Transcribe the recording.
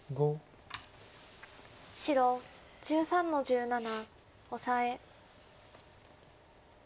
白１３の十七オサエ。